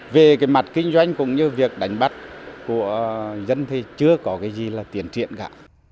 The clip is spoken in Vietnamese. về cái mặt kinh doanh cũng như việc đánh bắt của dân thì chưa có cái gì là tiền triển cả